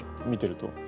見てると。